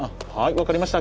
分かりました。